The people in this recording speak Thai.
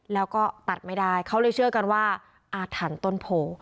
แล้วก็ตัดไม่ได้เขาเลยเชื่อกันว่าอาถรรพ์ต้นโพ